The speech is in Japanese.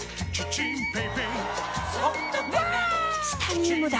チタニウムだ！